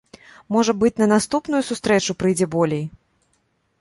Можа быць, на наступную сустрэчу прыйдзе болей.